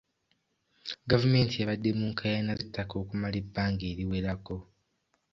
Gavumenti ebadde mu nkaayana z'ettaka okumala ebbanga eriwerako.